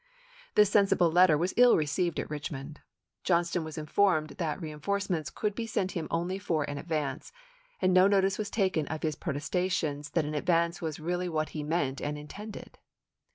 This sensible letter was ill received at Richmond. Johnston was informed that reinforcements could be sent to him only for an advance, and no notice was taken of his protestations that an advance was really what he meant and intended.